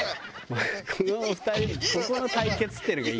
この２人ここの対決ってのがいいね。